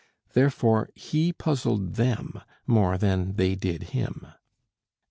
Therefore he puzzled them more than they did him.